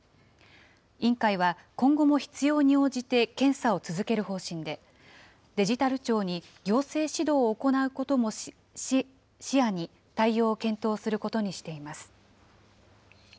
委員会は、今後も必要に応じて検査を続ける方針で、デジタル庁に行政指導を行うことも視野に対応を検討することにしています。